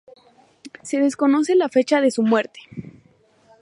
Se desconoce la fecha de su muerte.